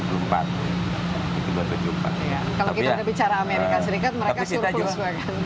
kalau kita bicara amerika serikat mereka suruh pulang